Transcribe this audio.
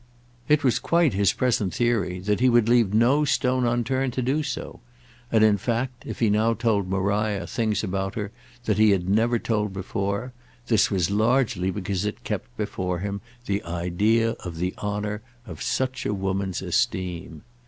It was quite his present theory that he would leave no stone unturned to do so; and in fact if he now told Maria things about her that he had never told before this was largely because it kept before him the idea of the honour of such a woman's esteem.